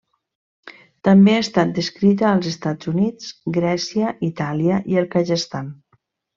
També ha estat descrita als Estats Units, Grècia, Itàlia i el Kazakhstan.